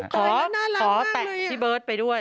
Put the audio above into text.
ขอแต่งพี่เบิร์ตไปด้วย